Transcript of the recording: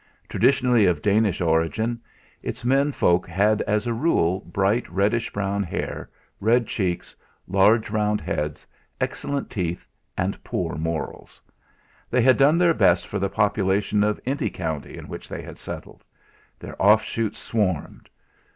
Traditionally of Danish origin, its men folk had as a rule bright reddish brown hair, red cheeks, large round heads, excellent teeth and poor morals. They had done their best for the population of any county in which they had settled; their offshoots swarmed.